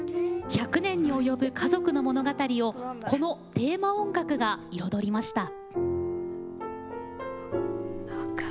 １００年に及ぶ家族の物語をこのテーマ音楽が彩りました。